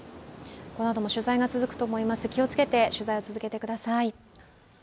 このあとも取材が続くと思います、気をつけて取材を続けてください。